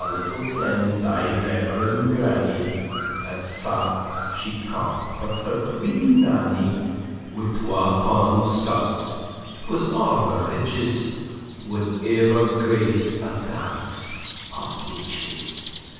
little kend thy reverend grannie, That sark she coft for her wee Nannie, Wi' twa pund Scots ('twas a' her riches), Wad ever grac'd a dance of witches!